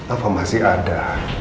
apa masih ada